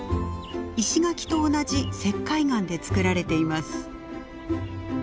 石垣と同じ石灰岩で造られています。